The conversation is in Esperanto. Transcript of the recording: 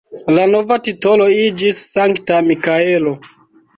La nova titolo iĝis Sankta Mikaelo.